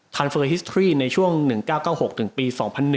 เฟอร์ฮิสทรี่ในช่วง๑๙๙๖ถึงปี๒๐๐๑